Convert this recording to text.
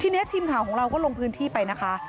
ทีนี้ทีมข่าวของเราก็ลงพื้นที่ไปนะคะ